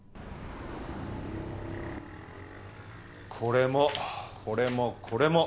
これもこれもこれも。